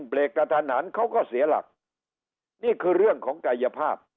เบรกกระทันหันเขาก็เสียหลักนี่คือเรื่องของกายภาพ